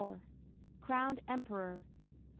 Crowned Emperor. 1807.